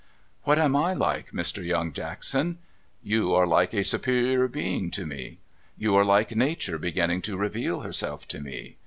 ' What am I like, Mr. Young Jackson ?'' You are like a Superior Being to me. You are like Nature beginning to reveal herself to me.